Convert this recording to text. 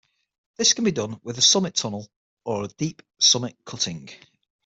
This can be done with a summit tunnel or a deep summit cutting.